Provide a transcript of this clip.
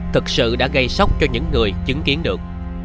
thật sự đã gây sốc cho những người chứng kiến được